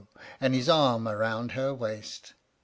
And his arm around her waist